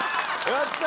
やった。